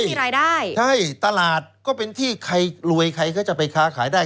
มีรายได้ใช่ตลาดก็เป็นที่ใครรวยใครก็จะไปค้าขายได้